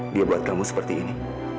dia buat kamu seperti ini